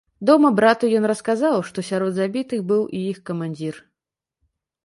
Дома брату ён расказаў, што сярод забітых быў і іх камандзір.